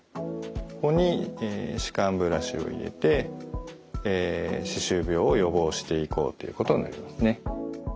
ここに歯間ブラシを入れて歯周病を予防していこうということになりますね。